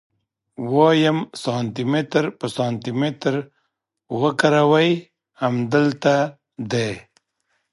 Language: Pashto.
ويم سانتي متر په سانتي متر وګروئ امدلته دي.